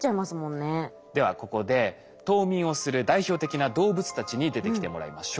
ではここで冬眠をする代表的な動物たちに出てきてもらいましょう。